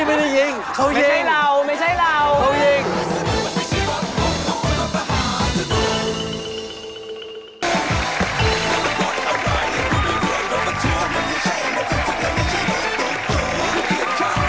และนี่คือช่วงจับผิดมหาสนุกค่ะ